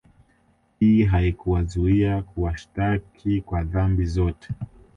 Hii haikuwazuia kuwashtaki kwa dhambi zote